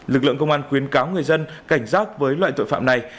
lực lượng công an khuyến cáo người dân cảnh giác với loại tội phạm này